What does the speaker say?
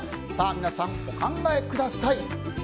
皆さん、お考えください。